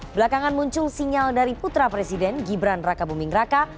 belakangan muncul sinyal dari putra presiden gibran raka bumingraka